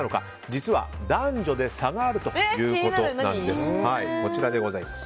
実は男女で差があるということです。